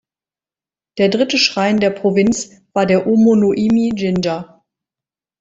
Der Dritte Schrein der Provinz war der Omonoimi-jinja.